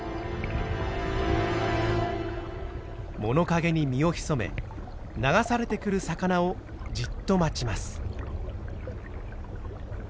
物陰に身を潜め流されてくる魚をじっと待ちます。